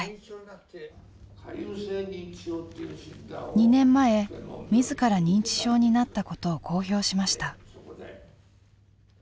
２年前自ら認知症になったことを公表しました。